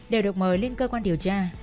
đều được mời lên cơ quan điều tra